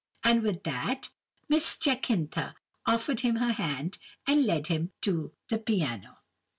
and with that Miss Jacintha offered him her hand, and led him to the piano.